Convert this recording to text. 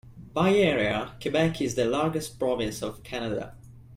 By area, Quebec is the largest province of Canada.